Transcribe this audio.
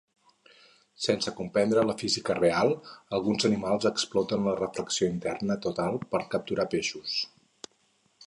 Sense comprendre la física real, alguns animals exploten la reflexió interna total per capturar peixos.